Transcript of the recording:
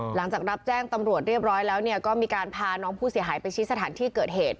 หลังจากรับแจ้งตำรวจเรียบร้อยแล้วเนี่ยก็มีการพาน้องผู้เสียหายไปชี้สถานที่เกิดเหตุ